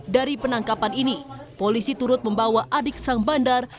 dari penangkapan ini polisi turut membawa adik sang bandar